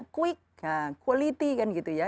quick quality kan gitu ya